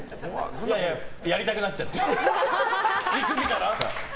いやいややりたくなっちゃって。